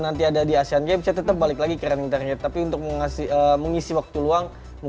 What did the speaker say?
nanti ada di asean game saya tetap balik lagi ke running target tapi untuk menghasil mengisi waktu